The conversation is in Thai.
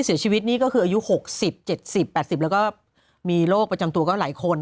เสียชีวิตนี้ก็คืออายุหกสิบเจ็ดสิบแปดสิบแล้วก็มีโรคประจำตัวก็หลายคน